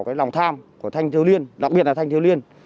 đánh vào lòng tham của thanh thiếu liên đặc biệt là thanh thiếu liên